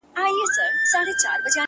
د مخ پر لمر باندي تياره د ښکلا مه غوړوه!